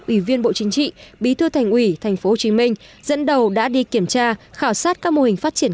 ủy viên bộ chính trị bí thư thành ủy tp hcm dẫn đầu đã đi kiểm tra khảo sát các mô hình phát triển